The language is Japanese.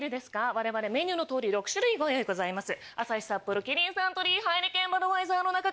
われわれメニューの通り６種類ご用意ございます。